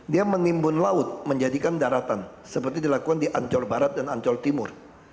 dia menimbun laut menjadikan daratan seperti dilakukan di ancol barat dan ancol timur